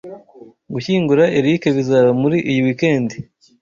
Gushyingura Eric bizaba muri iyi weekend.